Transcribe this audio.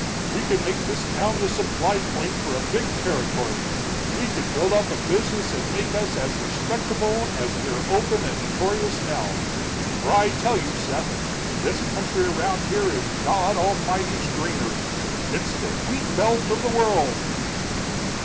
We could make this town the supply point for a big territory, we could build up a business that'd make us as respectable as we're open and notorious now. For I tell you, Seth, this country around here is God Almighty's granary it's the wheat belt of the world."